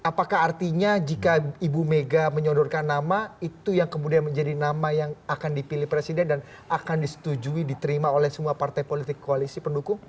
apakah artinya jika ibu mega menyodorkan nama itu yang kemudian menjadi nama yang akan dipilih presiden dan akan disetujui diterima oleh semua partai politik koalisi pendukung